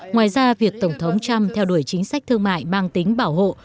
ngoài ra việc tổng thống trump theo đuổi chính sách thương mại mang tính bảo hộ